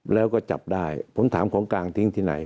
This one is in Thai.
แล้วก็จับได้ผมถามของกลางทิ้งที่ไหน